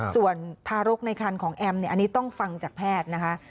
ส่วนทารกในครรภ์ของแอมป์เนี่ยอันนี้ต้องฟังจากแพทย์นะคะ